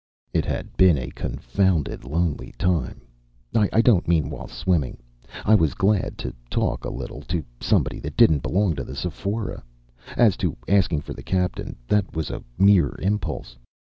It had been a confounded lonely time I don't mean while swimming. I was glad to talk a little to somebody that didn't belong to the Sephora. As to asking for the captain, that was a mere impulse.